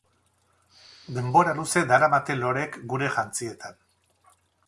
Denbora luze daramate loreek gure jantzietan.